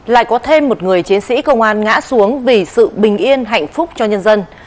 lại có thêm một người chiến sĩ công an ngã xuống vì sự bình yên hạnh phúc cho nhân dân